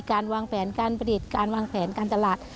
การวางแผนการผลิตการวางแผนการตลาด